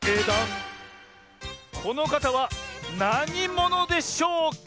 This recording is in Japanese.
このかたはなにものでしょうか？